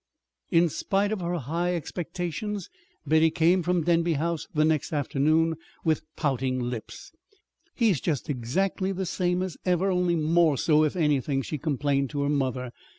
In spite of her high expectations, Betty came from Denby House the next afternoon with pouting lips. "He's just exactly the same as ever, only more so, if anything," she complained to her mother.